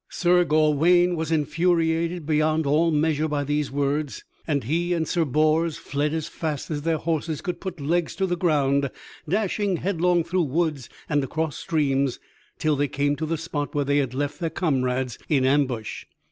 Sir Gawaine was infuriated beyond all measure by these words, and he and Sir Bors fled as fast as their horses could put legs to the ground, dashing headlong through woods and across streams, till they came to the spot where they had left their comrades in ambush.